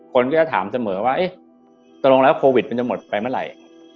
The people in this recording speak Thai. คนก็จะถามเสมอว่าเอ๊ะตกลงแล้วโควิดมันจะหมดไปเมื่อไหร่